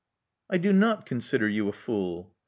. "I do not consider you a fool.